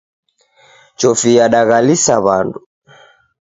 Chofi yadaghalisa w'andu.